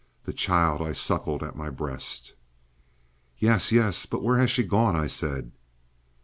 —the child I suckled at my breast!" "Yes, yes. But where has she gone?" I said.